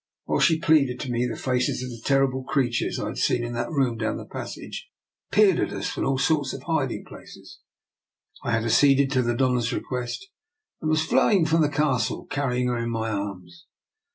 While she pleaded to me, the faces of the terrible creatures I had seen in that room down the passage peered at us from all sorts of hiding places. It was night, an hour or so before dawn. I had ac ceded to the Dofia's request, and was flying from the castle, carrying her in my arms.